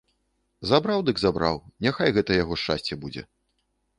Забраў дык забраў, няхай гэта яго шчасце будзе.